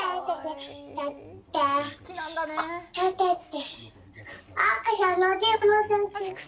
ててって。